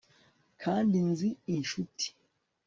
kandi nzi inshuti